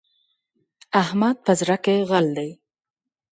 احمد په زړه کې غل دی.